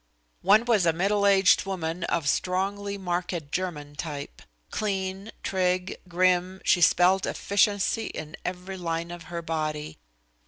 One was a middle aged woman of the strongly marked German type. Clean, trig, grim, she spelled efficiency in every line of her body.